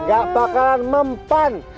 gak bakalan mempan